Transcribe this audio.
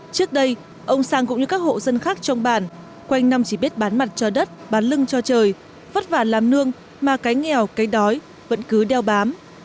trước đây ông sang cũng như các hộ dân khác trong bản quanh năm chỉ biết bán mặt cho đất bán lưng cho trời vất vả làm nương mà cái nghèo cái đói vẫn cứ đeo bám